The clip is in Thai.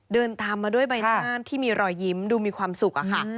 เดินตามมาด้วยใบหน้าที่มีรอยยิ้มดูมีความสุขอะค่ะ